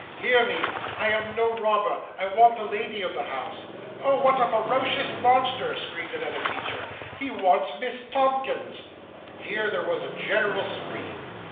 'Hear me. I am no robber. I want the lady of the house.' 'Oh, what a ferocious monster!' screamed another teacher. 'He wants Miss Tomkins.' Here there was a general scream.